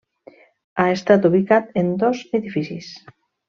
Ha estat ubicat en dos edificis.